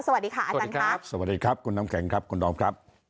สวัสดีค่ะอาจารย์ครับสวัสดีครับคุณน้ำแข็งครับคุณดอมครับ